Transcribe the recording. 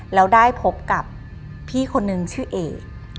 แล้วได้พบกับพี่คนนึงชื่อเอก